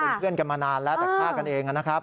เป็นเพื่อนกันมานานแล้วแต่ฆ่ากันเองนะครับ